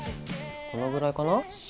このぐらいかな？